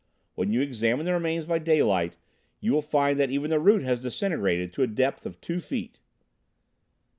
When you examine the remains by daylight, you will find that even the root has disintegrated to a depth of two feet."